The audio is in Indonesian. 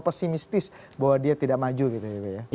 pesimistis bahwa dia tidak maju gitu ya